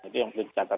itu yang perlu dicatat